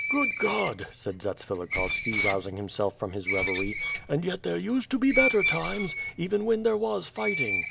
"Good God," said Zatsvilikhovski, rousing himself from his reverie, "and yet there used to be better times, even when there was fighting.